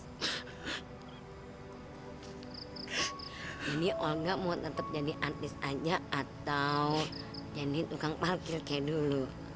ini olga mau tetep jadi artis aja atau jadi tukang palkir kayak dulu